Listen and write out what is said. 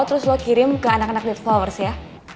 terus lo kirim ke anak anak with followers ya